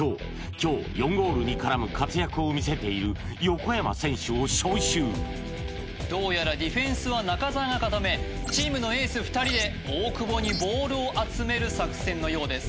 今日４ゴールに絡む活躍を見せている横山選手を招集どうやらディフェンスは中澤が固めチームのエース２人で大久保にボールを集める作戦のようです